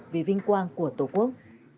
vì vinh quang của tổ quốc